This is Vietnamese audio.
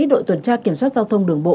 đội tuần tra kiểm soát giao thông đường bộ